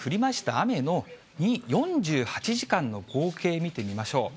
雨の４８時間の合計、見てみましょう。